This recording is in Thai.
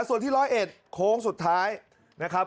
ส่วนที่๑๐๑โค้งสุดท้ายนะครับ